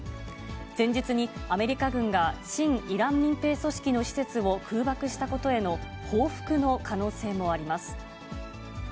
前日に、アメリカ軍が親イラン民兵組織の施設を空爆したことへの報復の可能性もあります。